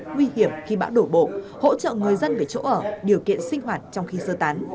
nguy hiểm khi bão đổ bộ hỗ trợ người dân về chỗ ở điều kiện sinh hoạt trong khi sơ tán